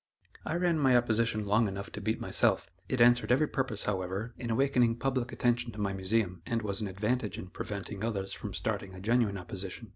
I ran my opposition long enough to beat myself. It answered every purpose, however, in awakening public attention to my Museum, and was an advantage in preventing others from starting a genuine opposition.